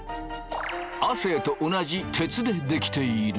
亜生と同じ鉄で出来ている。